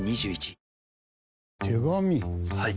はい。